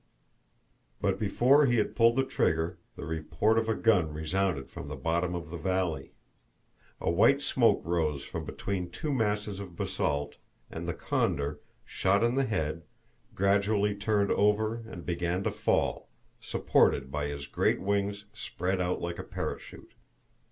But before he had pulled the trigger the report of a gun resounded from the bottom of the valley. A white smoke rose from between two masses of basalt, and the condor, shot in the head, gradually turned over and began to fall, supported by his great wings spread out like a parachute.